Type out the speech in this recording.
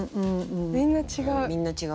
みんな違う。